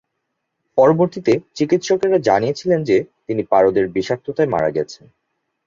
পরবর্তীতে চিকিৎসকেরা জানিয়েছিলেন যে, তিনি পারদের বিষাক্ততায় মারা গেছেন।